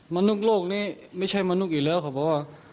มนุษย์โลกนี้ไม่ใช่มนุษย์อีกแล้วเขาบอกว่า